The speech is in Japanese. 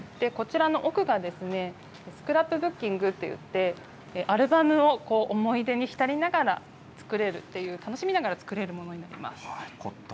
奥がスクラップブッキングといって、アルバムを思い出に浸りながら作れる、楽しみながら作れるものとなってます。